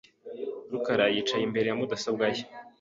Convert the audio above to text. rukara yicaye imbere ya mudasobwa ye .